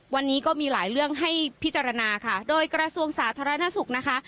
วันนี้ก็มีหลายเรื่องให้พิจารณาค่ะโดยกระทรวงสาธารณสุขนะคะ